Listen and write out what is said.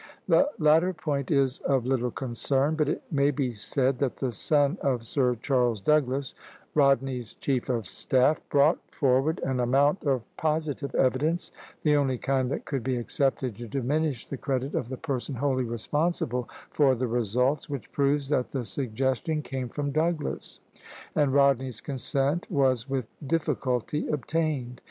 The latter point is of little concern; but it may be said that the son of Sir Charles Douglas, Rodney's chief of staff, brought forward an amount of positive evidence, the only kind that could be accepted to diminish the credit of the person wholly responsible for the results, which proves that the suggestion came from Douglas, and Rodney's consent was with difficulty obtained.